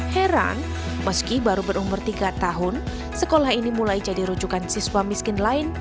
heran meski baru berumur tiga tahun sekolah ini mulai jadi rujukan siswa miskin lain